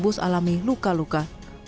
bus alami luka luka